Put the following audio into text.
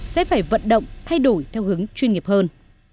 sẽ phải vận động thay đổi theo hướng chuyên nghiệp hơn